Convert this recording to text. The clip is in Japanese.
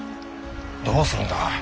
どうするんだ。